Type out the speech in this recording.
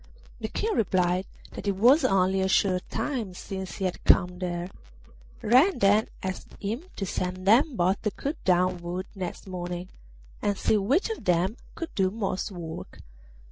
The King replied that it was only a short time since he had come there. Red then asked him to send them both to cut down wood next morning, and see which of them could do most work.